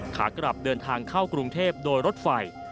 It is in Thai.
ขากลับเดินทางเข้ากรุงเทพโดยรถไฟ